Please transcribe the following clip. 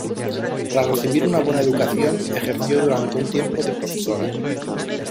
Tras recibir una buena educación, ejerció durante un tiempo de profesora.